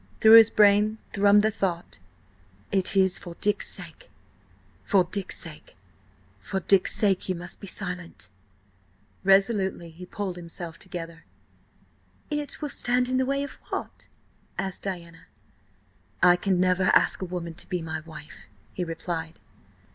Through his brain thrummed the thought: "It is for Dick's sake ... for Dick's sake. For Dick's sake you must be silent." Resolutely he pulled himself together. "It will stand in the way–of what?" asked Diana. "I can never ask a woman to be my wife," he replied.